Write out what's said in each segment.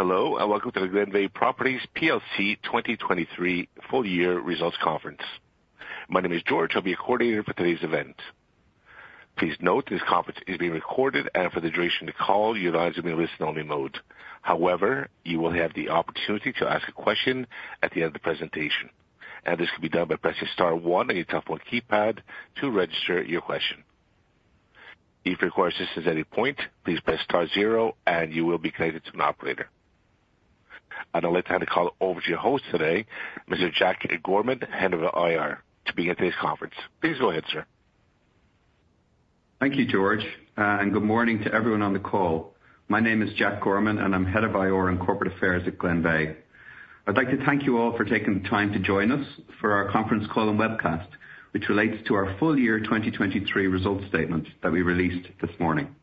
Hello, and welcome to the Glenveagh Properties plc 2023 full year results conference. My name is George. I'll be your coordinator for today's event. Please note, this conference is being recorded, and for the duration of the call, your lines will be in listen-only mode. However, you will have the opportunity to ask a question at the end of the presentation, and this can be done by pressing star one on your telephone keypad to register your question. If you require assistance at any point, please press star zero and you will be connected to an operator. I'd like to hand the call over to your host today, Mr. Jack Gorman, Head of IR, to begin today's conference. Please go ahead, sir. Thank you, George, and good morning to everyone on the call. My name is Jack Gorman, and I'm Head of IR and Corporate Affairs at Glenveagh. I'd like to thank you all for taking the time to join us for our conference call and webcast, which relates to our full year 2023 results statement that we released this morning.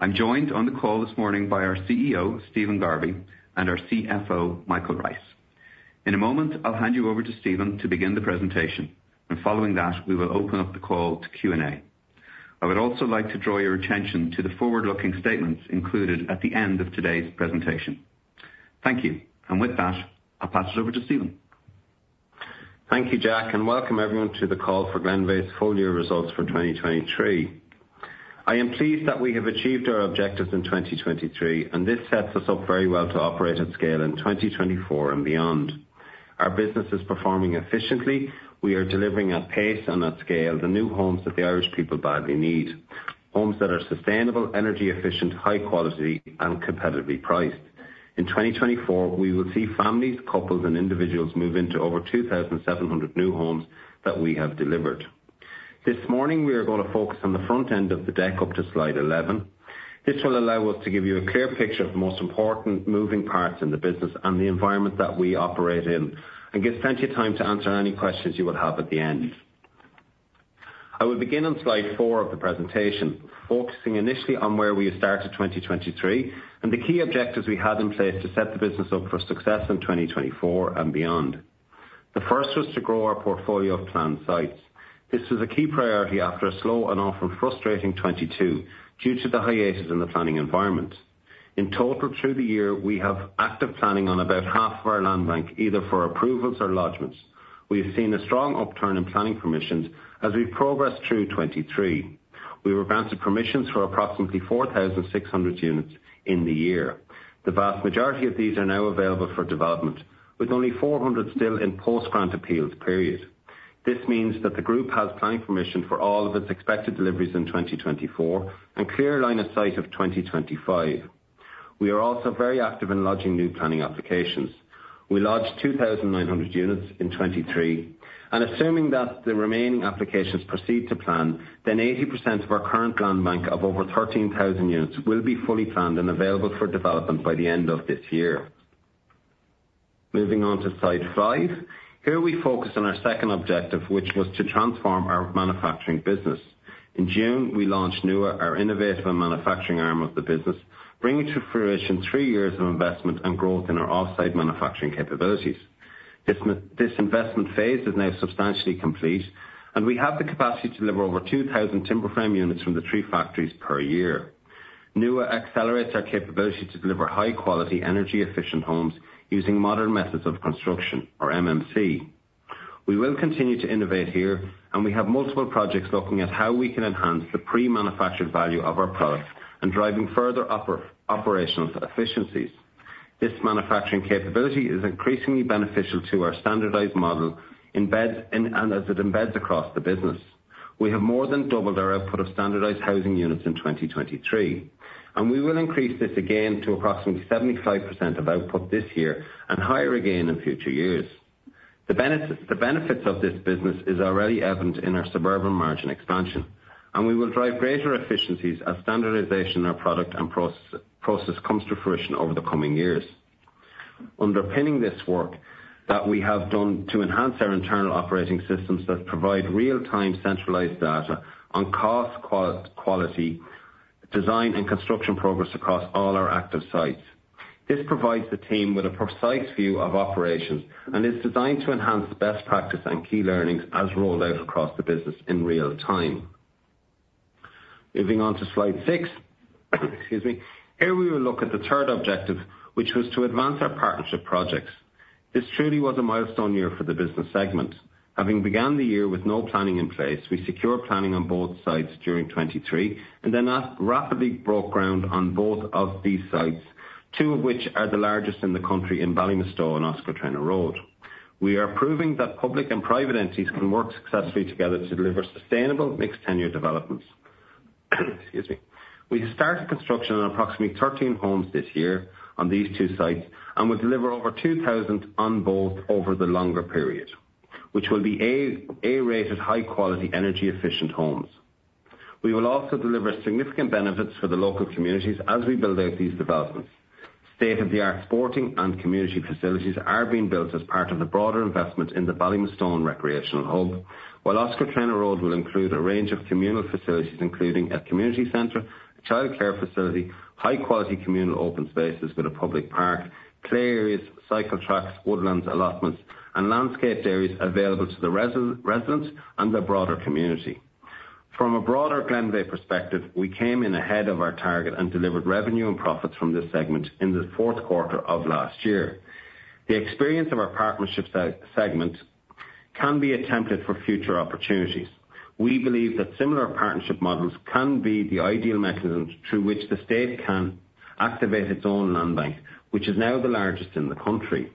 I'm joined on the call this morning by our CEO, Stephen Garvey, and our CFO, Michael Rice. In a moment, I'll hand you over to Stephen to begin the presentation, and following that, we will open up the call to Q&A. I would also like to draw your attention to the forward-looking statements included at the end of today's presentation. Thank you. And with that, I'll pass it over to Stephen. Thank you, Jack, and welcome everyone to the call for Glenveagh's full year results for 2023. I am pleased that we have achieved our objectives in 2023, and this sets us up very well to operate at scale in 2024 and beyond. Our business is performing efficiently. We are delivering at pace and at scale, the new homes that the Irish people badly need. Homes that are sustainable, energy efficient, high quality, and competitively priced. In 2024, we will see families, couples, and individuals move into over 2,700 new homes that we have delivered. This morning, we are gonna focus on the front end of the deck up to slide 11. This will allow us to give you a clear picture of the most important moving parts in the business and the environment that we operate in, and give plenty of time to answer any questions you will have at the end. I will begin on slide 4 of the presentation, focusing initially on where we started 2023 and the key objectives we had in place to set the business up for success in 2024 and beyond. The first was to grow our portfolio of planned sites. This was a key priority after a slow and often frustrating 2022 due to the hiatus in the planning environment. In total, through the year, we have active planning on about half of our land bank, either for approvals or lodgments. We have seen a strong upturn in planning permissions as we progressed through 2023. We were granted permissions for approximately 4,600 units in the year. The vast majority of these are now available for development, with only 400 still in post-grant appeals period. This means that the group has planning permission for all of its expected deliveries in 2024 and clear line of sight of 2025. We are also very active in lodging new planning applications. We lodged 2,900 units in 2023, and assuming that the remaining applications proceed to plan, then 80% of our current land bank of over 13,000 units will be fully planned and available for development by the end of this year. Moving on to slide 5. Here, we focus on our second objective, which was to transform our manufacturing business. In June, we launched Nua, our innovative and manufacturing arm of the business, bringing to fruition three years of investment and growth in our off-site manufacturing capabilities. This investment phase is now substantially complete, and we have the capacity to deliver over 2,000 timber frame units from the three factories per year. Nua accelerates our capability to deliver high quality, energy efficient homes using modern methods of construction, or MMC. We will continue to innovate here, and we have multiple projects looking at how we can enhance the pre-manufactured value of our products and driving further operational efficiencies. This manufacturing capability is increasingly beneficial to our standardized model, embeds in, and as it embeds across the business. We have more than doubled our output of standardized housing units in 2023, and we will increase this again to approximately 75% of output this year and higher again in future years. The benefits, the benefits of this business is already evident in our suburban margin expansion, and we will drive greater efficiencies as standardization in our product and process, process comes to fruition over the coming years. Underpinning this work that we have done to enhance our internal operating systems that provide real-time centralized data on cost, quality, design, and construction progress across all our active sites. This provides the team with a precise view of operations and is designed to enhance best practice and key learnings as rolled out across the business in real time. Moving on to slide 6. Excuse me. Here we will look at the third objective, which was to advance our partnership projects. This truly was a milestone year for the business segment. Having began the year with no planning in place, we secured planning on both sites during 2023, and then rapidly broke ground on both of these sites, two of which are the largest in the country in Ballymastone and Oscar Traynor Road. We are proving that public and private entities can work successfully together to deliver sustainable mixed tenure developments. Excuse me. We started construction on approximately 13 homes this year on these two sites and will deliver over 2,000 on both over the longer period, which will be A-rated, high quality, energy efficient homes. We will also deliver significant benefits for the local communities as we build out these developments. State-of-the-art sporting and community facilities are being built as part of the broader investment in the Ballymastone Recreational Hub, while Oscar Traynor Road will include a range of communal facilities, including a community center, childcare facility, high quality communal open spaces with a public park, play areas, cycle tracks, woodlands, allotments, and landscaped areas available to the residents and the broader community. From a broader Glenveagh perspective, we came in ahead of our target and delivered revenue and profits from this segment in the fourth quarter of last year. The experience of our partnership segment can be a template for future opportunities. We believe that similar partnership models can be the ideal mechanism through which the state can activate its own land bank, which is now the largest in the country.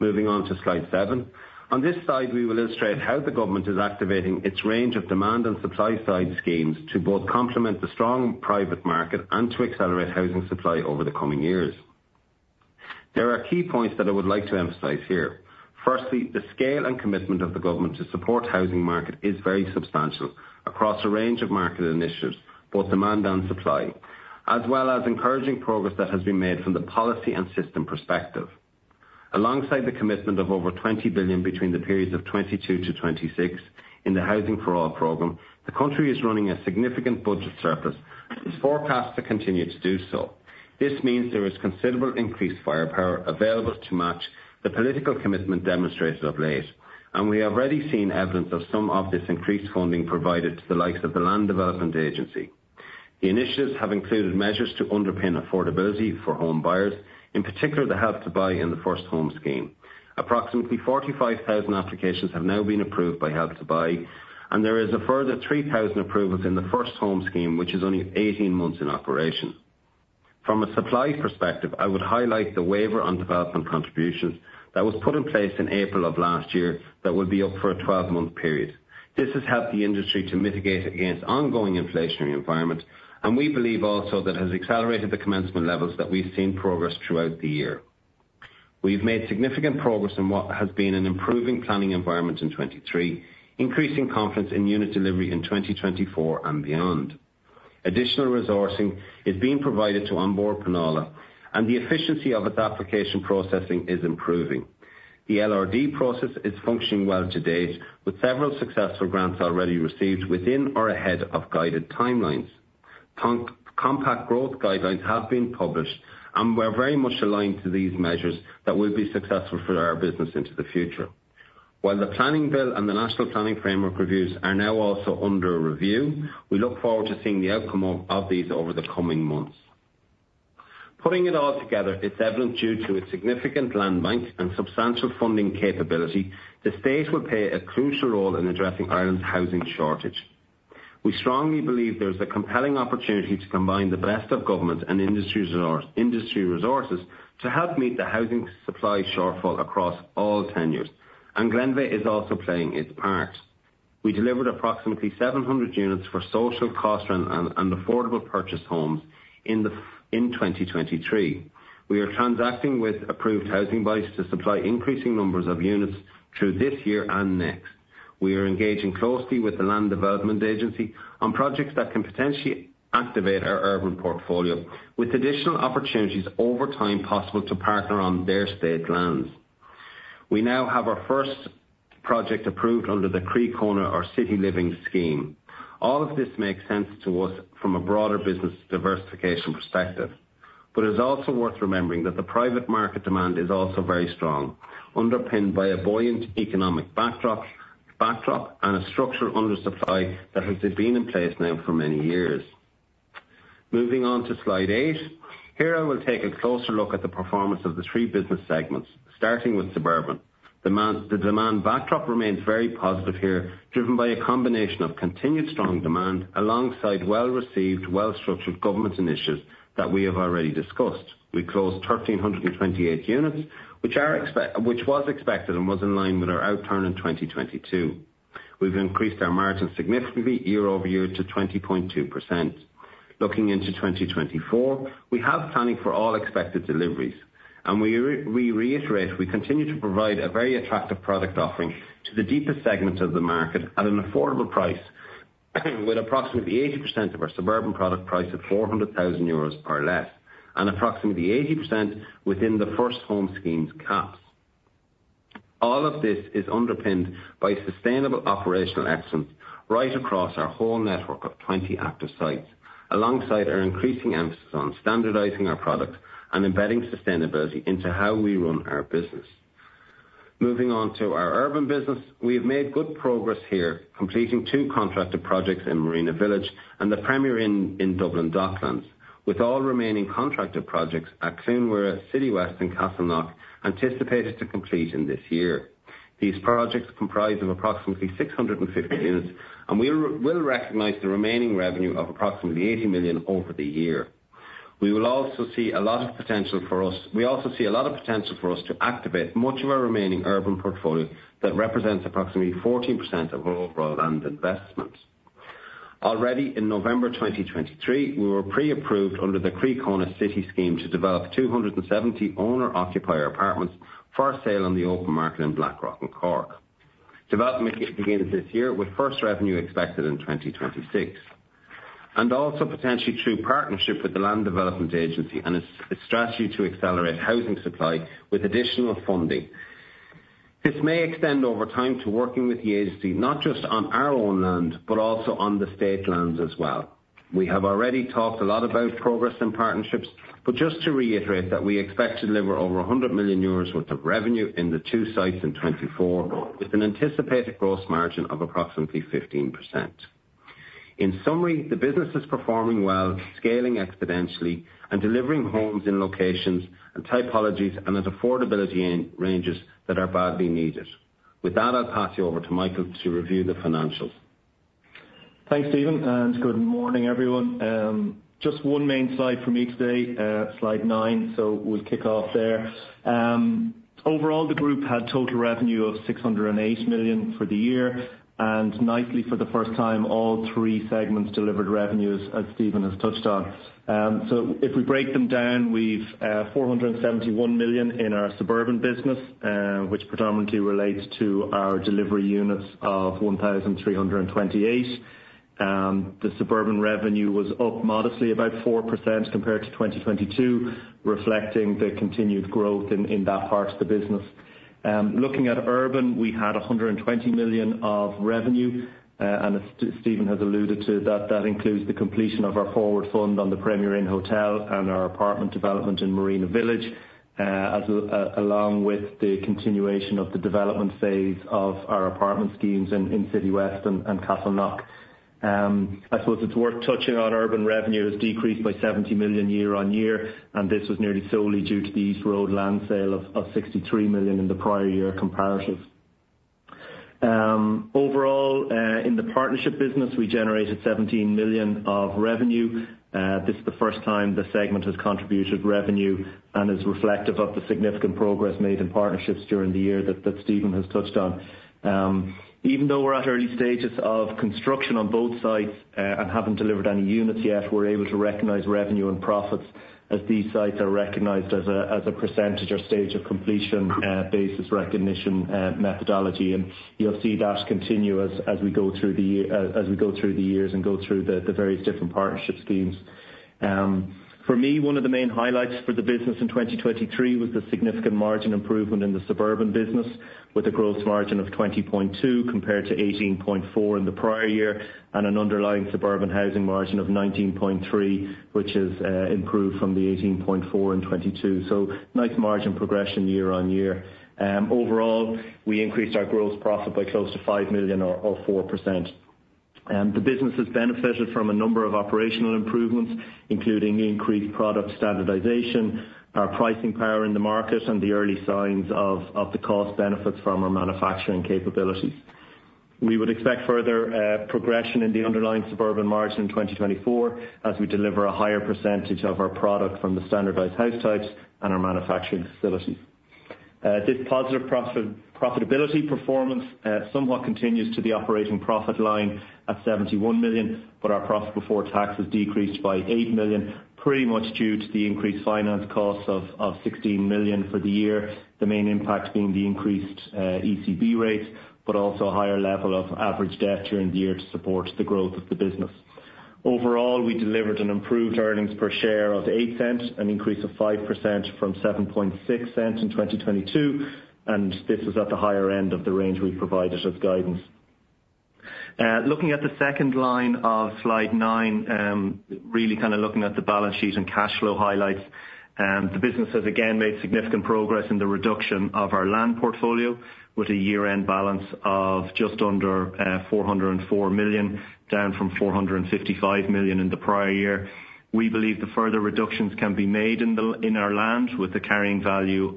Moving on to slide seven. On this slide, we will illustrate how the government is activating its range of demand and supply side schemes to both complement the strong private market and to accelerate housing supply over the coming years. There are key points that I would like to emphasize here. Firstly, the scale and commitment of the government to support housing market is very substantial across a range of market initiatives, both demand and supply, as well as encouraging progress that has been made from the policy and system perspective. Alongside the commitment of over 20 billion between the periods of 2022-2026 in the Housing for All program, the country is running a significant budget surplus, and is forecast to continue to do so. This means there is considerable increased firepower available to match the political commitment demonstrated of late, and we have already seen evidence of some of this increased funding provided to the likes of the Land Development Agency. The initiatives have included measures to underpin affordability for home buyers, in particular, the Help to Buy and the First Home Scheme. Approximately 45,000 applications have now been approved by Help to Buy, and there is a further 3,000 approvals in the First Home Scheme, which is only 18 months in operation. From a supply perspective, I would highlight the waiver on development contributions that was put in place in April of last year that will be up for a 12-month period. This has helped the industry to mitigate against ongoing inflationary environment, and we believe also that has accelerated the commencement levels that we've seen progress throughout the year. We've made significant progress in what has been an improving planning environment in 2023, increasing confidence in unit delivery in 2024 and beyond. Additional resourcing is being provided to An Bord Pleanála, and the efficiency of its application processing is improving. The LRD process is functioning well to date, with several successful grants already received within or ahead of guided timelines. Compact Growth guidelines have been published, and we're very much aligned to these measures that will be successful for our business into the future. While the Planning Bill and the National Planning Framework reviews are now also under review, we look forward to seeing the outcome of these over the coming months. Putting it all together, it's evident, due to a significant land bank and substantial funding capability, the state will play a crucial role in addressing Ireland's housing shortage. We strongly believe there's a compelling opportunity to combine the best of government and industry resources to help meet the housing supply shortfall across all tenures, and Glenveagh is also playing its part. We delivered approximately 700 units for social cost rental and affordable purchase homes in 2023. We are transacting with Approved Housing Bodies to supply increasing numbers of units through this year and next. We are engaging closely with the Land Development Agency on projects that can potentially activate our urban portfolio, with additional opportunities over time possible to partner on their state lands. We now have our first project approved under the Croí Cónaithe or City Living Scheme. All of this makes sense to us from a broader business diversification perspective, but it's also worth remembering that the private market demand is also very strong, underpinned by a buoyant economic backdrop and a structural undersupply that has been in place now for many years. Moving on to slide 8. Here, I will take a closer look at the performance of the three business segments, starting with suburban. Demand, the demand backdrop remains very positive here, driven by a combination of continued strong demand alongside well-received, well-structured government initiatives that we have already discussed. We closed 1,328 units, which was expected and was in line with our outturn in 2022. We've increased our margins significantly year-over-year to 20.2%. Looking into 2024, we have planning for all expected deliveries, and we reiterate, we continue to provide a very attractive product offering to the deepest segments of the market at an affordable price, with approximately 80% of our suburban product priced at 400,000 euros or less, and approximately 80% within the First Home Scheme's caps. All of this is underpinned by sustainable operational excellence right across our whole network of 20 active sites, alongside our increasing emphasis on standardizing our product and embedding sustainability into how we run our business. Moving on to our urban business. We have made good progress here, completing 2 contracted projects in Marina Village and the Premier Inn in Dublin Docklands, with all remaining contracted projects at Santry, Citywest, and Castleknock, anticipated to complete in this year. These projects comprise approximately 650 units, and we will recognize the remaining revenue of approximately 80 million over the year. We also see a lot of potential for us to activate much of our remaining urban portfolio, that represents approximately 14% of overall land investment. Already in November 2023, we were pre-approved under the Croí Cónaithe scheme to develop 270 owner-occupier apartments for sale on the open market in Blackrock in Cork. Development begins this year, with first revenue expected in 2026, and also potentially through partnership with the Land Development Agency and its strategy to accelerate housing supply with additional funding. This may extend over time to working with the agency, not just on our own land, but also on the state lands as well. We have already talked a lot about progress and partnerships, but just to reiterate that we expect to deliver over 100 million euros worth of revenue in the 2 sites in 2024, with an anticipated gross margin of approximately 15%. In summary, the business is performing well, scaling exponentially, and delivering homes in locations and typologies and at affordability in, ranges that are badly needed. With that, I'll pass you over to Michael to review the financials. Thanks, Stephen, and good morning, everyone. Just one main slide for me today, slide 9, so we'll kick off there. Overall, the group had total revenue of 608 million for the year, and nicely, for the first time, all three segments delivered revenues, as Stephen has touched on. So if we break them down, we've four hundred and seventy-one million in our suburban business, which predominantly relates to our delivery units of 1,328. The suburban revenue was up modestly, about 4% compared to 2022, reflecting the continued growth in, in that part of the business. Looking at urban, we had 120 million of revenue, and as Stephen has alluded to, that includes the completion of our forward fund on the Premier Inn hotel and our apartment development in Marina Village, along with the continuation of the development phase of our apartment schemes in Citywest and Castleknock. I suppose it's worth touching on urban revenue has decreased by 70 million year-on-year, and this was nearly solely due to the East Road land sale of 63 million in the prior year comparative. Overall, in the partnership business, we generated 17 million of revenue. This is the first time the segment has contributed revenue and is reflective of the significant progress made in partnerships during the year that Stephen has touched on. Even though we're at early stages of construction on both sites, and haven't delivered any units yet, we're able to recognize revenue and profits as these sites are recognized as a percentage or stage of completion basis recognition methodology. And you'll see that continue as we go through the years and go through the various different partnership schemes. For me, one of the main highlights for the business in 2023 was the significant margin improvement in the suburban business, with a gross margin of 20.2 compared to 18.4 in the prior year, and an underlying suburban housing margin of 19.3, which has improved from the 18.4 in 2022. So nice margin progression year on year. Overall, we increased our gross profit by close to 5 million or 4%. The business has benefited from a number of operational improvements, including increased product standardization, our pricing power in the market, and the early signs of the cost benefits from our manufacturing capabilities. We would expect further progression in the underlying suburban margin in 2024, as we deliver a higher percentage of our product from the standardized house types and our manufacturing facilities. This positive profit, profitability performance, somewhat continues to the operating profit line at 71 million, but our profit before tax has decreased by 8 million, pretty much due to the increased finance costs of, of 16 million for the year, the main impact being the increased, ECB rates, but also a higher level of average debt during the year to support the growth of the business. Overall, we delivered an improved earnings per share of 0.08, an increase of 5% from 0.076 in 2022, and this is at the higher end of the range we provided as guidance. Looking at the second line of slide 9, really kind of looking at the balance sheet and cash flow highlights. The business has again made significant progress in the reduction of our land portfolio, with a year-end balance of just under 404 million, down from 455 million in the prior year. We believe the further reductions can be made in our land, with the carrying value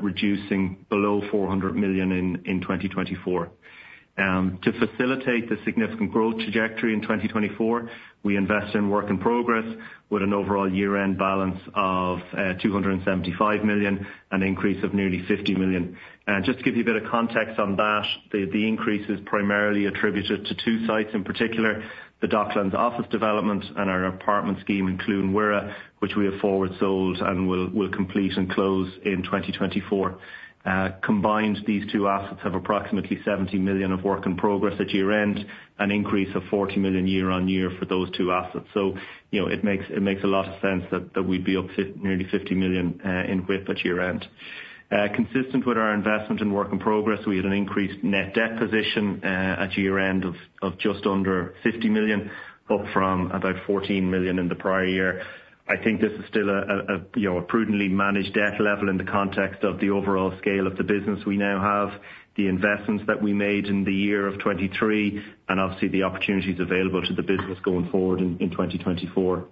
reducing below 400 million in 2024. To facilitate the significant growth trajectory in 2024, we invest in work in progress with an overall year-end balance of 275 million, an increase of nearly 50 million. Just to give you a bit of context on that, the increase is primarily attributed to two sites, in particular, the Docklands office development and our apartment scheme in Clonburris, which we have forward sold and will complete and close in 2024. Combined, these two assets have approximately 70 million of work in progress at year-end, an increase of 40 million year-on-year for those two assets. So you know, it makes, it makes a lot of sense that, that we'd be up nearly 50 million, in WIP at year-end. Consistent with our investment in work in progress, we had an increased net debt position, at year-end of, of just under 50 million, up from about 14 million in the prior year. I think this is still a, a, a, you know, a prudently managed debt level in the context of the overall scale of the business. We now have the investments that we made in the year of 2023, and obviously, the opportunities available to the business going forward in, in 2024.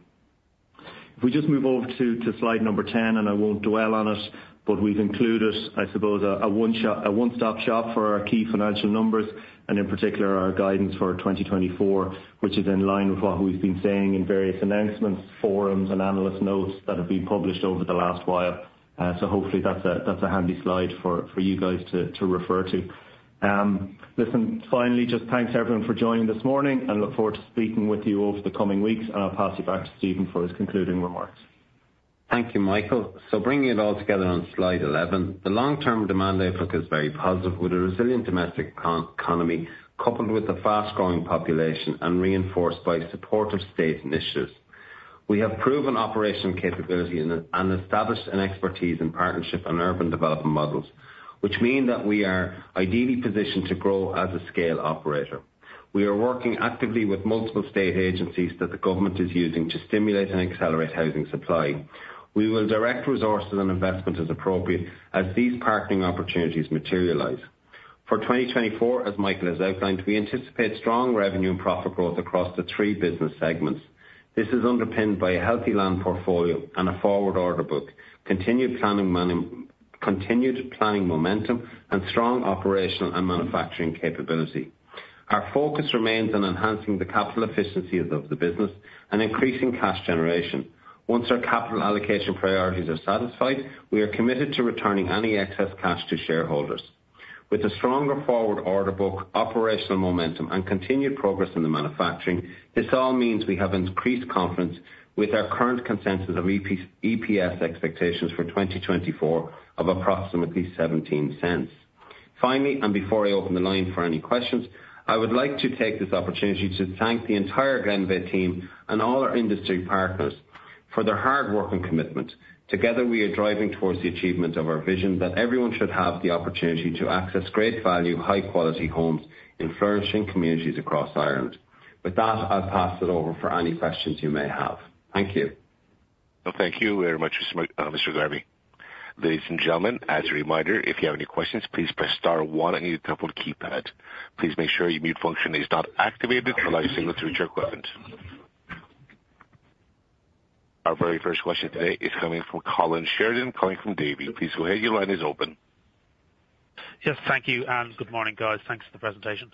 If we just move over to slide number 10, and I won't dwell on it, but we've included, I suppose, a one-stop shop for our key financial numbers, and in particular, our guidance for 2024, which is in line with what we've been saying in various announcements, forums, and analyst notes that have been published over the last while. So hopefully, that's a handy slide for you guys to refer to. Listen, finally, just thanks, everyone, for joining this morning. I look forward to speaking with you over the coming weeks, and I'll pass you back to Stephen for his concluding remarks. Thank you, Michael. So bringing it all together on slide 11, the long-term demand outlook is very positive, with a resilient domestic economy, coupled with a fast-growing population and reinforced by supportive state initiatives... We have proven operational capability and established an expertise in partnership and urban development models, which mean that we are ideally positioned to grow as a scale operator. We are working actively with multiple state agencies that the government is using to stimulate and accelerate housing supply. We will direct resources and investment as appropriate as these partnering opportunities materialize. For 2024, as Michael has outlined, we anticipate strong revenue and profit growth across the 3 business segments. This is underpinned by a healthy land portfolio and a forward order book, continued planning momentum, and strong operational and manufacturing capability. Our focus remains on enhancing the capital efficiencies of the business and increasing cash generation. Once our capital allocation priorities are satisfied, we are committed to returning any excess cash to shareholders. With a stronger forward order book, operational momentum, and continued progress in the manufacturing, this all means we have increased confidence with our current consensus of EPS expectations for 2024 of approximately 0.17. Finally, and before I open the line for any questions, I would like to take this opportunity to thank the entire Glenveagh team and all our industry partners for their hard work and commitment. Together, we are driving towards the achievement of our vision that everyone should have the opportunity to access great value, high quality homes in flourishing communities across Ireland. With that, I'll pass it over for any questions you may have. Thank you. Well, thank you very much, Mr. Garvey. Ladies and gentlemen, as a reminder, if you have any questions, please press star one on your telephone keypad. Please make sure your mute function is not activated to allow your signal through to your equipment. Our very first question today is coming from Colin Sheridan, calling from Davy. Please go ahead, your line is open. Yes, thank you, and good morning, guys. Thanks for the presentation.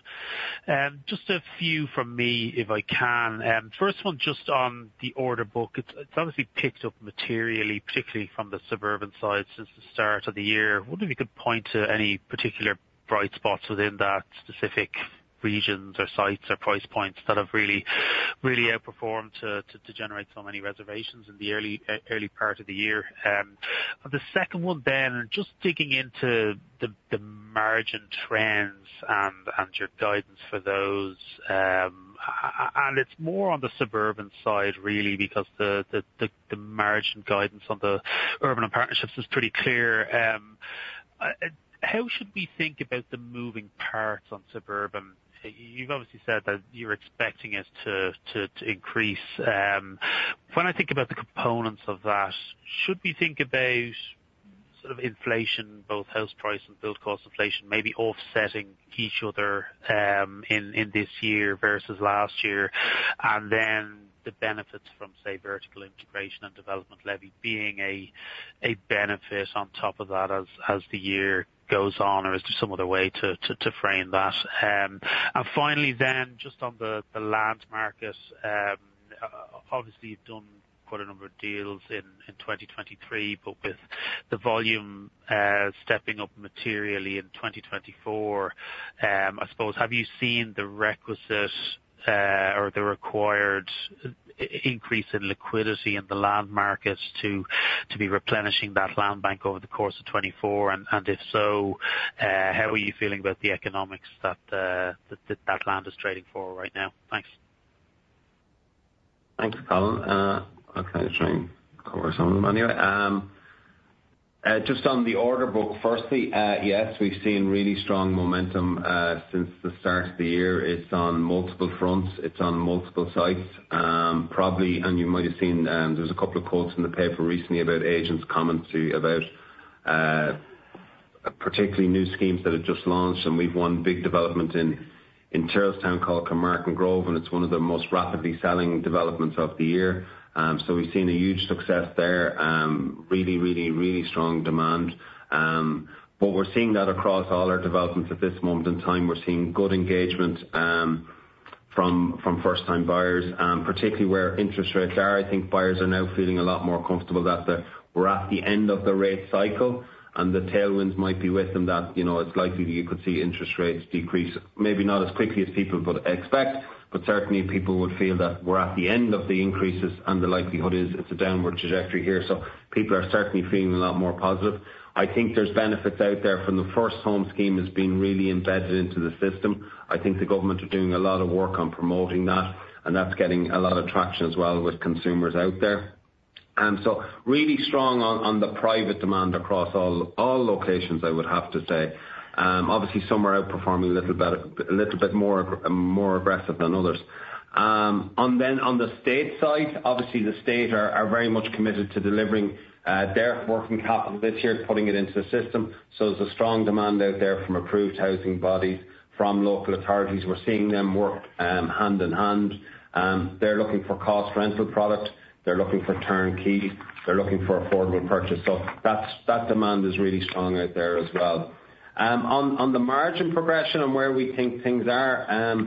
Just a few from me, if I can. First one, just on the order book. It's obviously picked up materially, particularly from the suburban side since the start of the year. I wonder if you could point to any particular bright spots within that, specific regions or sites or price points that have really, really outperformed to generate so many reservations in the early part of the year. The second one then, just digging into the margin trends and your guidance for those, and it's more on the suburban side really because the margin guidance on the urban and partnerships is pretty clear. How should we think about the moving parts on suburban? You've obviously said that you're expecting it to increase. When I think about the components of that, should we think about sort of inflation, both house price and build cost inflation, maybe offsetting each other in this year versus last year? And then the benefits from, say, vertical integration and development levy being a benefit on top of that as the year goes on, or is there some other way to frame that? And finally, then, just on the land markets, obviously, you've done quite a number of deals in 2023, but with the volume stepping up materially in 2024, I suppose have you seen the requisite or the required increase in liquidity in the land markets to be replenishing that land bank over the course of 2024? If so, how are you feeling about the economics that land is trading for right now? Thanks. Thanks, Colin. I'll kind of try and cover some of them anyway. Just on the order book, firstly, yes, we've seen really strong momentum since the start of the year. It's on multiple fronts. It's on multiple sites. Probably, and you might have seen, there's a couple of quotes in the paper recently about agents' comments about particularly new schemes that have just launched, and we've one big development in Charlestown called Kilmartin Grove, and it's one of the most rapidly selling developments of the year. So we've seen a huge success there. Really, really, really strong demand. But we're seeing that across all our developments at this moment in time. We're seeing good engagement from first-time buyers, and particularly where interest rates are. I think buyers are now feeling a lot more comfortable that we're at the end of the rate cycle, and the tailwinds might be with them, that you know, it's likely that you could see interest rates decrease. Maybe not as quickly as people would expect, but certainly people would feel that we're at the end of the increases, and the likelihood is it's a downward trajectory here. So people are certainly feeling a lot more positive. I think there's benefits out there from the First Home Scheme that's been really embedded into the system. I think the government are doing a lot of work on promoting that, and that's getting a lot of traction as well with consumers out there. And so really strong on the private demand across all locations, I would have to say. Obviously, some are outperforming a little better, a little bit more aggressive than others. On the state side, obviously the state are very much committed to delivering their working capital this year, putting it into the system. So there's a strong demand out there from Approved Housing Bodies, from local authorities. We're seeing them work hand in hand. They're looking for cost rental product. They're looking for turnkey. They're looking for affordable purchase. So that's, that demand is really strong out there as well. On the margin progression and where we think things are,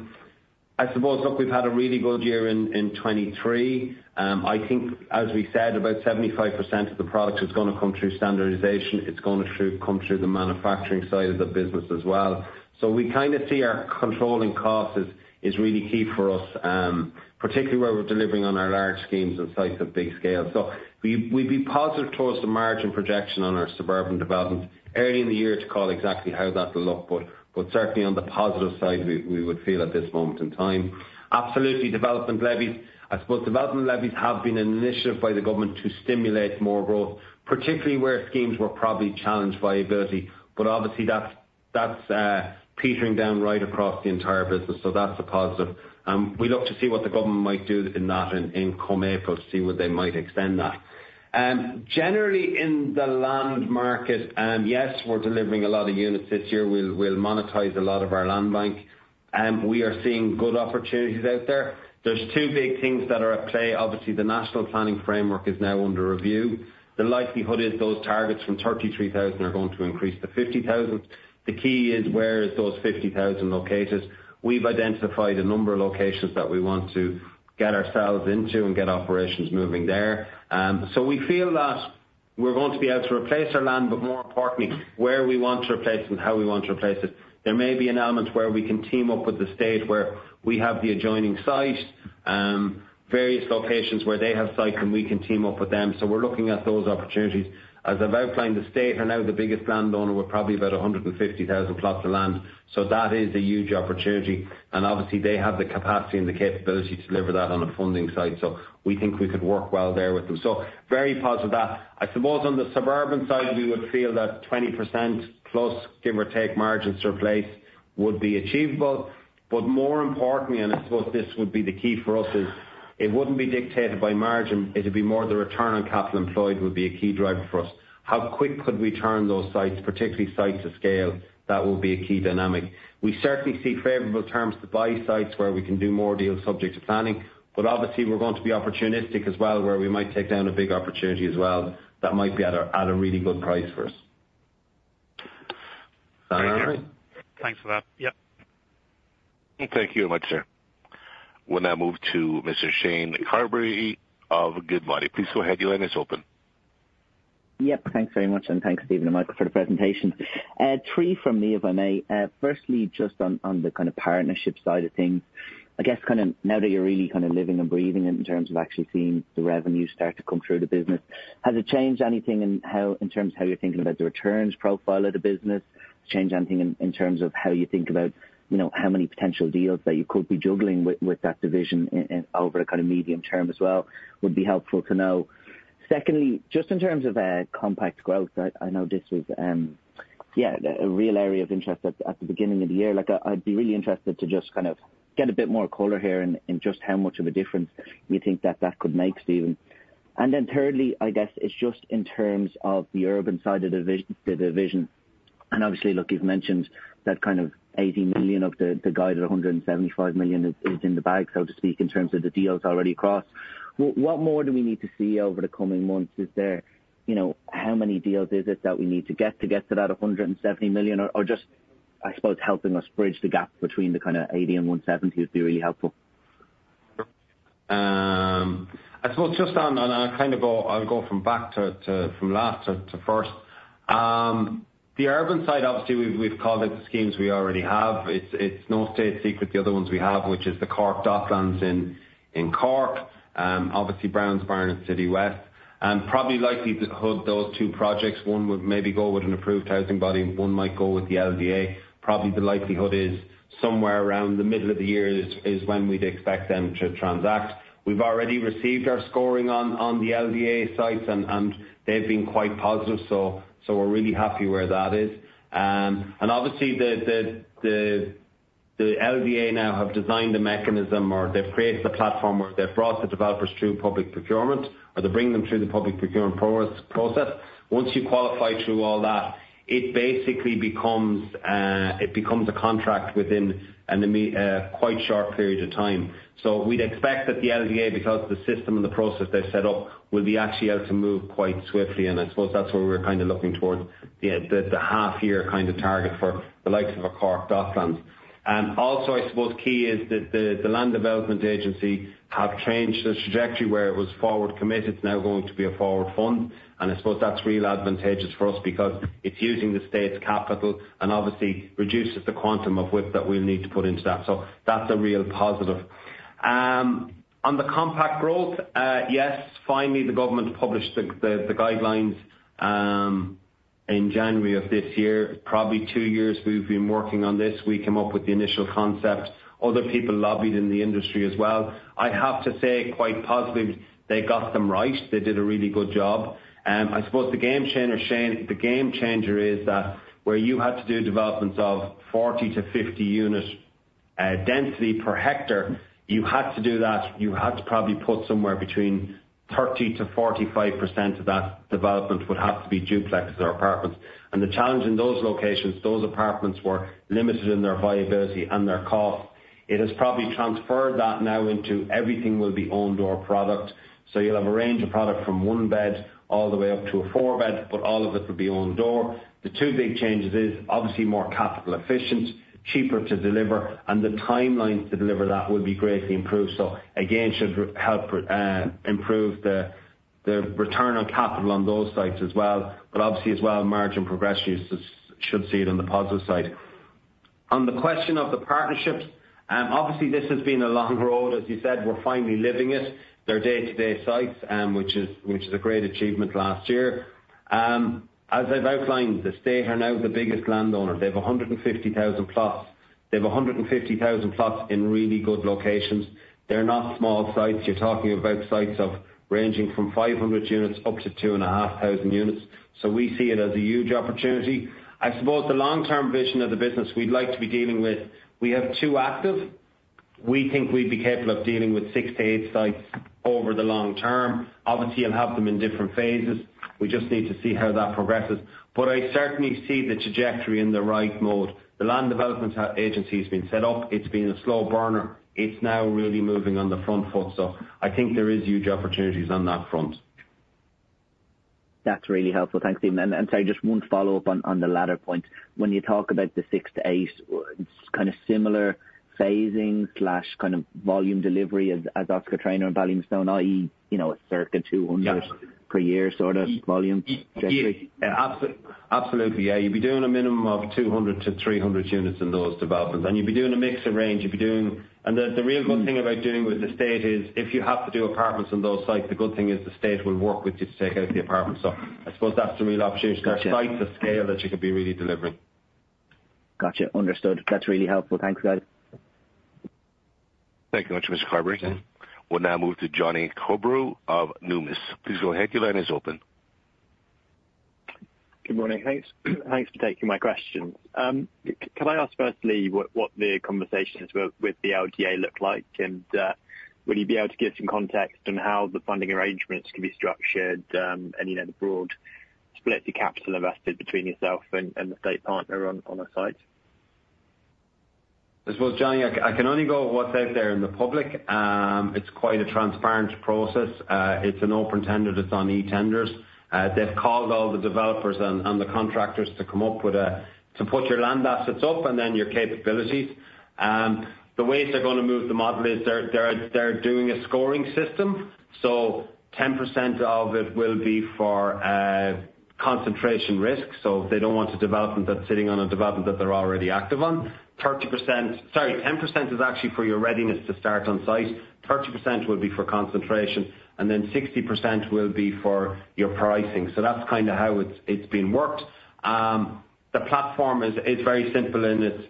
I suppose, look, we've had a really good year in 2023. I think as we said, about 75% of the product is gonna come through standardization. It's going to come through the manufacturing side of the business as well. So we kind of see our controlling costs is, is really key for us, particularly where we're delivering on our large schemes and sites of big scale. So we, we'd be positive towards the margin projection on our suburban developments. Early in the year to call exactly how that will look, but, but certainly on the positive side, we, we would feel at this moment in time. Absolutely, development levies. I suppose development levies have been an initiative by the government to stimulate more growth, particularly where schemes were probably challenged viability, but obviously that's. That's, petering down right across the entire business, so that's a positive. We look to see what the government might do in that, come April, to see whether they might extend that. Generally, in the land market, yes, we're delivering a lot of units this year, we'll monetize a lot of our land bank, and we are seeing good opportunities out there. There are two big things that are at play. Obviously, the National Planning Framework is now under review. The likelihood is those targets from 33,000 are going to increase to 50,000. The key is, where is those 50,000 located? We've identified a number of locations that we want to get ourselves into and get operations moving there. So we feel that we're going to be able to replace our land, but more importantly, where we want to replace it and how we want to replace it. There may be an element where we can team up with the state, where we have the adjoining site, various locations where they have site, and we can team up with them. So we're looking at those opportunities. As I've outlined, the state are now the biggest landowner, we're probably about 150,000 plots of land, so that is a huge opportunity. And obviously, they have the capacity and the capability to deliver that on a funding side, so we think we could work well there with them. So very positive that. I suppose on the suburban side, we would feel that 20% plus, give or take, margins to replace would be achievable. But more importantly, and I suppose this would be the key for us, is it wouldn't be dictated by margin, it would be more the return on capital employed would be a key driver for us. How quick could we turn those sites, particularly sites of scale? That will be a key dynamic. We certainly see favorable terms to buy sites where we can do more deals subject to planning, but obviously, we're going to be opportunistic as well, where we might take down a big opportunity as well, that might be at a, at a really good price for us. Sound all right? Thanks for that. Yep. Thank you very much, sir. We'll now move to Mr. Shane Carberry of Goodbody. Please go ahead. Your line is open. Yep, thanks very much, and thanks, Stephen and Michael, for the presentation. Three from me, if I may. Firstly, just on, on the kind of partnership side of things, I guess, kind of now that you're really kind of living and breathing in terms of actually seeing the revenue start to come through the business, has it changed anything in how, in terms of how you're thinking about the returns profile of the business? Change anything in, in terms of how you think about, you know, how many potential deals that you could be juggling with, with that division over a kind of medium term as well, would be helpful to know. Secondly, just in terms of compact growth, I know this is, yeah, a real area of interest at the beginning of the year. Like, I'd be really interested to just kind of get a bit more color here in just how much of a difference you think that could make, Stephen. And then thirdly, I guess it's just in terms of the urban side of the vision, the division, and obviously, look, you've mentioned that kind of 80 million of the guided 175 million is in the bag, so to speak, in terms of the deals already crossed. What more do we need to see over the coming months? Is there, you know, how many deals is it that we need to get to get to that 170 million? Or just, I suppose, helping us bridge the gap between the kind of 80 and 170 million would be really helpful. I suppose just on a kind of, I'll go from back to, from last to first. The urban side, obviously, we've, we've called it the schemes we already have. It's, it's no state secret, the other ones we have, which is the Cork Docklands in Cork, obviously Brownsbarn and Citywest, and probably likelihood, those two projects, one would maybe go with an Approved Housing Body, and one might go with the LDA. Probably, the likelihood is somewhere around the middle of the year is when we'd expect them to transact. We've already received our scoring on the LDA sites, and they've been quite positive, so we're really happy where that is. And obviously, the LDA now have designed a mechanism or they've created a platform where they've brought the developers through public procurement, or they bring them through the public procurement process. Once you qualify through all that, it basically becomes a contract within a quite short period of time. So we'd expect that the LDA, because the system and the process they've set up, will be actually able to move quite swiftly, and I suppose that's where we're kind of looking towards, the half year kind of target for the likes of a Cork Docklands. And also, I suppose key is that the Land Development Agency have changed their trajectory, where it was forward committed, it's now going to be a forward fund. I suppose that's real advantageous for us because it's using the state's capital and obviously reduces the quantum of WIP that we'll need to put into that. So that's a real positive. On the compact growth, yes, finally, the government published the guidelines in January of this year. Probably two years we've been working on this. We came up with the initial concept. Other people lobbied in the industry as well. I have to say, quite positive, they got them right. They did a really good job. I suppose the game changer, Shane, the game changer is that where you had to do developments of 40-50 unit density per hectare, you had to do that, you had to probably put somewhere between 30%-45% of that development would have to be duplexes or apartments. And the challenge in those locations, those apartments were limited in their viability and their cost. It has probably transferred that now into everything will be own-door product. So you'll have a range of product from one bed all the way up to a four bed, but all of it will be own-door. The two big changes is, obviously, more capital efficient, cheaper to deliver, and the timelines to deliver that would be greatly improved. So again, should help, improve the return on capital on those sites as well, but obviously as well, margin progression should see it on the positive side. On the question of the partnerships, obviously, this has been a long road, as you said, we're finally living it. They're day-to-day sites, which is a great achievement last year. As I've outlined, the state are now the biggest landowner. They have 150,000+ plots in really good locations. They're not small sites. You're talking about sites ranging from 500 units up to 2,500 units, so we see it as a huge opportunity. I suppose the long-term vision of the business we'd like to be dealing with, we have two active. We think we'd be capable of dealing with 6-8 sites over the long term. Obviously, you'll have them in different phases. We just need to see how that progresses. But I certainly see the trajectory in the right mode. The Land Development Agency has been set up. It's been a slow burner. It's now really moving on the front foot, so I think there is huge opportunities on that front. That's really helpful. Thanks, Stephen. And sorry, just one follow-up on the latter point. When you talk about the 6-8, it's kind of similar phasing/kind of volume delivery as Oscar Traynor and Ballymastone, i.e., you know, circa 200- Yeah. per year, sort of volume trajectory? Yeah. Abso- absolutely, yeah. You'd be doing a minimum of 200-300 units in those developments, and you'd be doing a mix of range. You'd be doing... And the, the real good thing about dealing with the state is, if you have to do apartments on those sites, the good thing is the state will work with you to take out the apartments. So I suppose that's the real opportunity. Got you. There are sites of scale that you could be really delivering. Got you. Understood. That's really helpful. Thanks, guys. Thank you very much, Mr. Carberry. We'll now move to Jonny Coubrough of Numis. Please go ahead, your line is open. Good morning. Thanks, thanks for taking my question. Can I ask firstly, what the conversations with the LDA look like? And, will you be able to give some context on how the funding arrangements can be structured, and, you know, the broad split, the capital invested between yourself and the state partner on a site? I suppose, Johnny, I can only go with what's out there in the public. It's quite a transparent process. It's an open tender that's on eTenders. They've called all the developers and the contractors to come up with to put your land assets up and then your capabilities. The ways they're gonna move the model is they're doing a scoring system, so 10% of it will be for concentration risk. So they don't want a development that's sitting on a development that they're already active on. 30%, sorry, 10% is actually for your readiness to start on site. 30% will be for concentration, and then 60% will be for your pricing. So that's kind of how it's been worked. The platform is very simple, and it's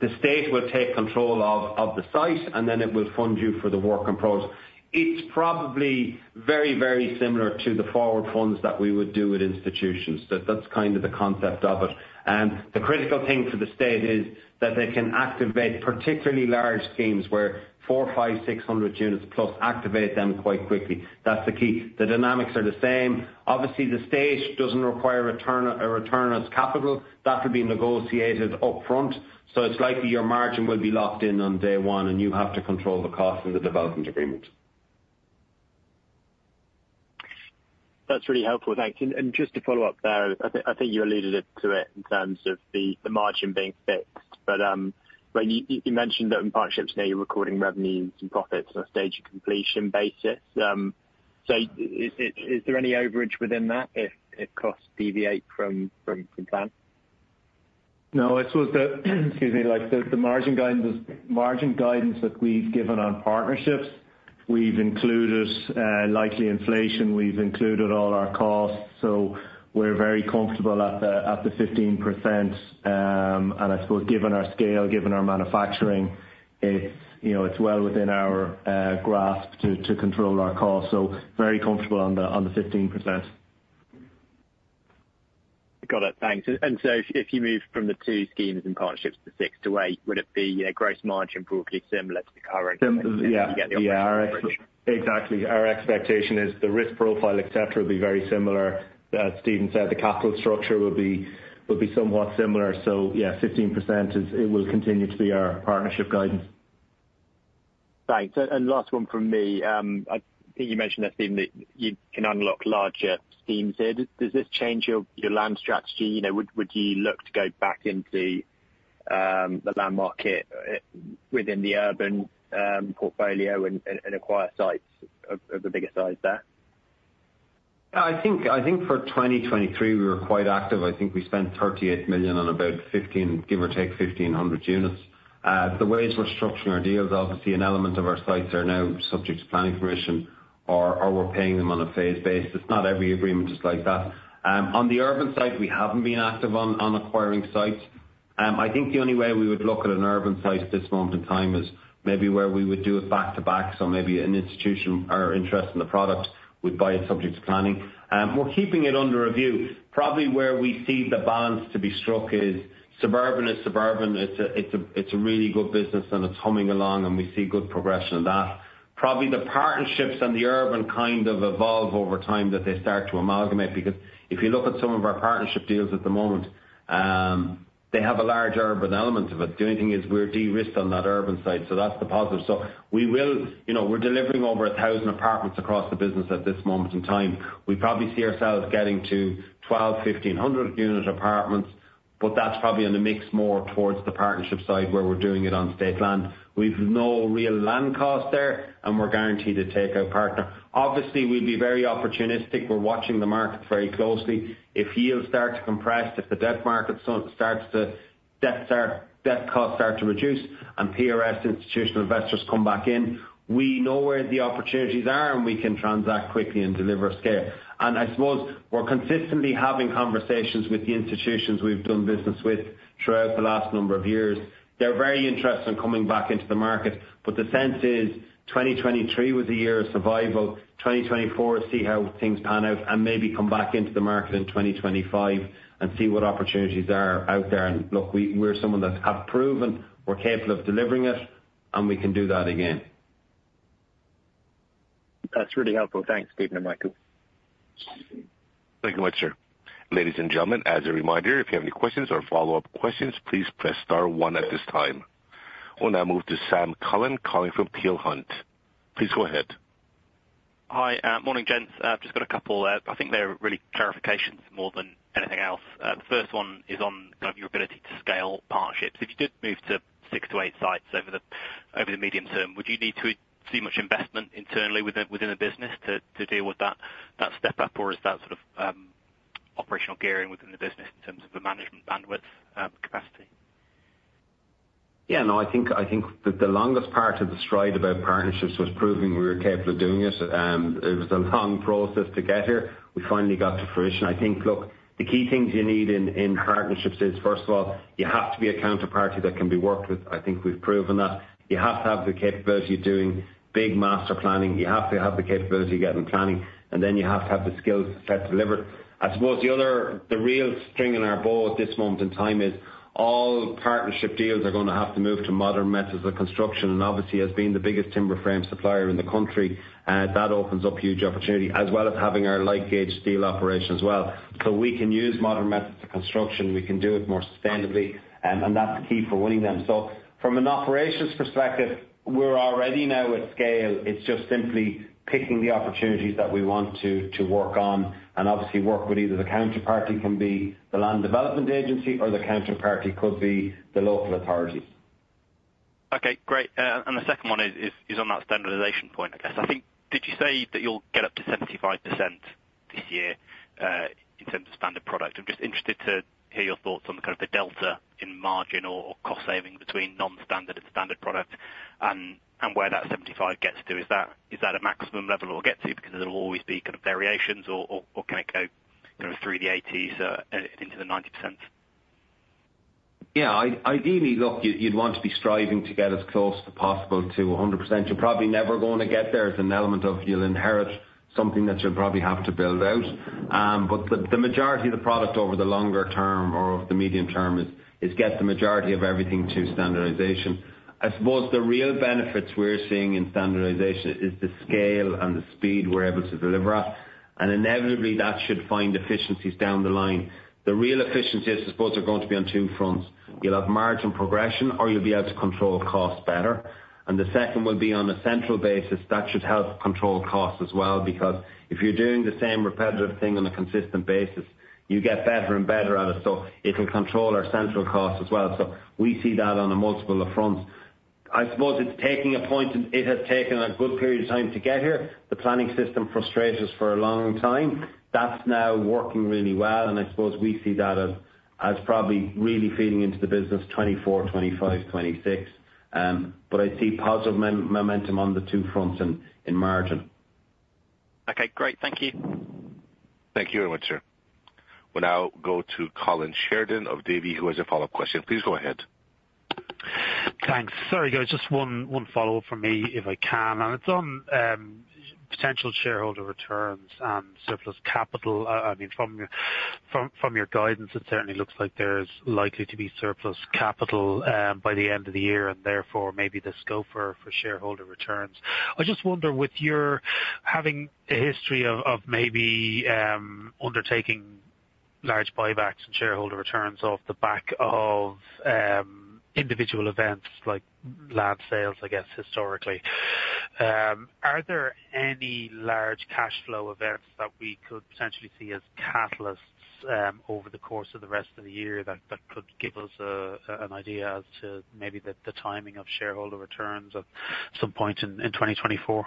the state will take control of the site, and then it will fund you for the work in progress. It's probably very, very similar to the forward funds that we would do with institutions. That's kind of the concept of it. And the critical thing for the state is that they can activate particularly large schemes where 400, 500, 600 units plus activate them quite quickly. That's the key. The dynamics are the same. Obviously, the state doesn't require a return on its capital. That will be negotiated upfront, so it's likely your margin will be locked in on day one, and you have to control the cost and the development agreement. That's really helpful. Thanks. And just to follow up there, I think you alluded to it in terms of the margin being fixed. But when you mentioned that in partnerships now you're recording revenues and profits on a stage of completion basis. So is there any overage within that if costs deviate from plan? No, I suppose, excuse me, like the margin guidance that we've given on partnerships, we've included likely inflation, we've included all our costs, so we're very comfortable at the 15%. And I suppose given our scale, given our manufacturing, it's, you know, it's well within our grasp to control our costs. So very comfortable on the 15%. Got it. Thanks. And so if you move from the 2 schemes in partnerships to 6-8, would it be a gross margin, probably similar to the current? Similar, yeah. You get the- Yeah. Exactly. Our expectation is the risk profile, et cetera, will be very similar. As Stephen said, the capital structure will be, will be somewhat similar. So yeah, 15% is. It will continue to be our partnership guidance. Thanks. Last one from me. I think you mentioned, I've seen that you can unlock larger schemes here. Does this change your land strategy? You know, would you look to go back into the land market within the urban portfolio and acquire sites of a bigger size there? I think, I think for 2023, we were quite active. I think we spent 38 million on about 15, give or take, 1,500 units. The ways we're structuring our deals, obviously an element of our sites are now subject to planning permission, or we're paying them on a phased basis. Not every agreement is like that. On the urban side, we haven't been active on acquiring sites. I think the only way we would look at an urban site at this moment in time is maybe where we would do a back-to-back, so maybe an institution are interested in the product, we'd buy it subject to planning. We're keeping it under review. Probably where we see the balance to be struck is suburban. It's a really good business, and it's humming along, and we see good progression in that. Probably the partnerships and the urban kind of evolve over time, that they start to amalgamate because if you look at some of our partnership deals at the moment, they have a large urban element of it. The only thing is we're de-risked on that urban side, so that's the positive. So we will. You know, we're delivering over 1,000 apartments across the business at this moment in time. We probably see ourselves getting to 1,200-1,500 unit apartments, but that's probably in a mix more towards the partnership side, where we're doing it on state land. We've no real land cost there, and we're guaranteed a takeout partner. Obviously, we'd be very opportunistic. We're watching the market very closely. If yields start to compress, if the debt market starts to, debt costs start to reduce and PRS institutional investors come back in, we know where the opportunities are, and we can transact quickly and deliver scale. I suppose we're consistently having conversations with the institutions we've done business with throughout the last number of years. They're very interested in coming back into the market, but the sense is 2023 was a year of survival. 2024, see how things pan out, and maybe come back into the market in 2025 and see what opportunities are out there. And look, we're someone that have proven we're capable of delivering it, and we can do that again. That's really helpful. Thanks, Stephen and Michael. Thank you much, sir. Ladies and gentlemen, as a reminder, if you have any questions or follow-up questions, please press star one at this time. We'll now move to Sam Cullen calling from Peel Hunt. Please go ahead. Hi, morning, gents. I've just got a couple, I think they're really clarifications more than anything else. The first one is on kind of your ability to scale partnerships. If you did move to 6-8 sites over the medium term, would you need to see much investment internally within the business to deal with that step up, or is that sort of operational gearing within the business in terms of the management bandwidth, capacity? Yeah, no, I think that the longest part of the stride about partnerships was proving we were capable of doing it. It was a long process to get here. We finally got to fruition. I think, look, the key things you need in partnerships is, first of all, you have to be a counterparty that can be worked with. I think we've proven that. You have to have the capability of doing big master planning. You have to have the capability of getting planning, and then you have to have the skills to try to deliver. I suppose the other, the real string in our bow at this moment in time is all partnership deals are gonna have to move to modern methods of construction, and obviously has been the biggest timber frame supplier in the country. That opens up huge opportunity, as well as having our light-gauge steel operation as well. So we can use modern methods of construction, we can do it more sustainably, and that's the key for winning them. So from an operations perspective, we're already now at scale. It's just simply picking the opportunities that we want to, to work on, and obviously work with either the counterparty, can be the Land Development Agency, or the counterparty could be the local authority. Okay, great. And the second one is on that standardization point, I guess. I think, did you say that you'll get up to 75% this year in terms of standard product? I'm just interested to hear your thoughts on the kind of the delta in margin or cost saving between non-standard and standard product, and where that 75% gets to. Is that a maximum level it will get to? Because there'll always be kind of variations or can it go, kind of, through the 80s into the 90%? Yeah, ideally, look, you'd, you'd want to be striving to get as close as possible to 100%. You're probably never going to get there. There's an element of you'll inherit something that you'll probably have to build out. But the majority of the product over the longer term or the medium term is get the majority of everything to standardization. I suppose the real benefits we're seeing in standardization is the scale and the speed we're able to deliver at, and inevitably, that should find efficiencies down the line. The real efficiencies, I suppose, are going to be on two fronts. You'll have margin progression, or you'll be able to control costs better. And the second will be on a central basis. That should help control costs as well, because if you're doing the same repetitive thing on a consistent basis, you get better and better at it, so it'll control our central costs as well. So we see that on a multiple of fronts. I suppose it's taking a point, and it has taken a good period of time to get here. The planning system frustrated us for a long time. That's now working really well, and I suppose we see that as, as probably really feeding into the business 2024, 2025, 2026. But I see positive momentum on the two fronts in margin. Okay, great. Thank you. Thank you very much, sir. We'll now go to Colin Sheridan of Davy, who has a follow-up question. Please go ahead. Thanks. Sorry, guys, just one follow-up from me, if I can, and it's on potential shareholder returns and surplus capital. I mean, from your guidance, it certainly looks like there's likely to be surplus capital by the end of the year, and therefore, maybe the scope for shareholder returns. I just wonder, with your having a history of maybe undertaking large buybacks and shareholder returns off the back of individual events like land sales, I guess, historically. Are there any large cash flow events that we could potentially see as catalysts over the course of the rest of the year, that could give us an idea as to maybe the timing of shareholder returns at some point in 2024?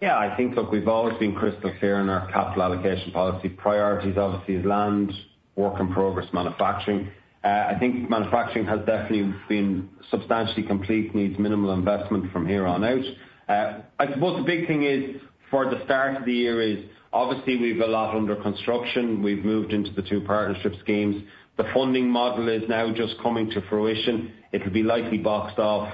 Yeah, I think, look, we've always been crystal clear in our capital allocation policy. Priorities, obviously, is land, work in progress, manufacturing. I think manufacturing has definitely been substantially complete, needs minimal investment from here on out. I suppose the big thing is, for the start of the year is, obviously we've a lot under construction. We've moved into the two partnership schemes. The funding model is now just coming to fruition. It'll be likely boxed off,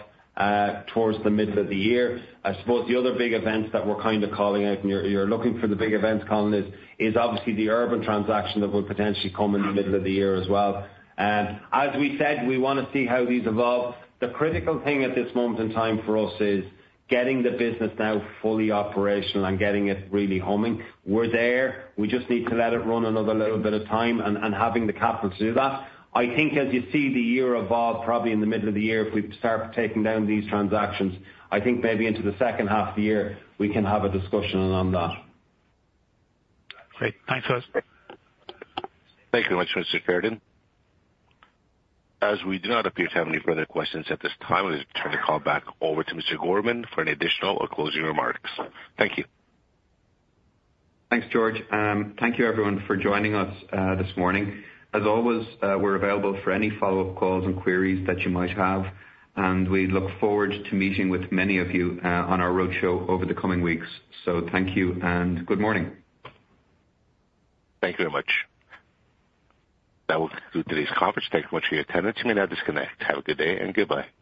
towards the middle of the year. I suppose the other big events that we're kind of calling out, and you're, you're looking for the big events, Colin, is, is obviously the urban transaction that will potentially come in the middle of the year as well. As we said, we want to see how these evolve. The critical thing at this moment in time for us is getting the business now fully operational and getting it really humming. We're there, we just need to let it run another little bit of time and having the capital to do that. I think as you see the year evolve, probably in the middle of the year, if we start taking down these transactions, I think maybe into the second half of the year, we can have a discussion on that. Great. Thanks, guys. Thank you very much, Mr. Sheridan. As we do not appear to have any further questions at this time, let me turn the call back over to Mr. Gorman for any additional or closing remarks. Thank you. Thanks, George. Thank you, everyone, for joining us this morning. As always, we're available for any follow-up calls and queries that you might have, and we look forward to meeting with many of you on our roadshow over the coming weeks. So thank you, and good morning. Thank you very much. That will conclude today's conference. Thank you much for your attendance. You may now disconnect. Have a good day and goodbye.